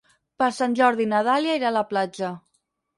Per Sant Jordi na Dàlia irà a la platja.